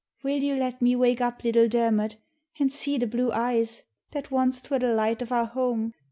" Will you let me wake up little Dermot an' see the blue eyes That wanst were the light of our home